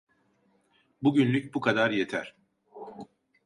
Bugünlük bu kadar yeter.